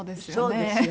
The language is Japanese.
そうですよ